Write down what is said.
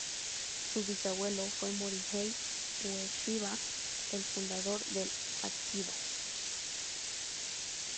Su Bisabuelo fue Morihei Ueshiba, el fundador del Aikidō.